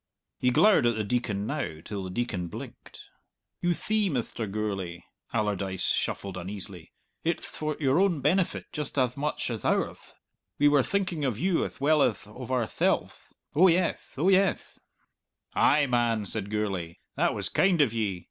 He glowered at the Deacon now till the Deacon blinked. "You thee, Mr. Gourlay," Allardyce shuffled uneasily, "it'th for your own benefit just ath much ath ourth. We were thinking of you ath well ath of ourthelves! Oh yeth, oh yeth!" "Ay, man!" said Gourlay, "that was kind of ye!